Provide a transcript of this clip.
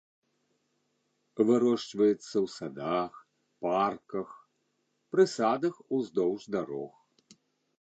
Вырошчваецца ў садах, парках, прысадах уздоўж дарог.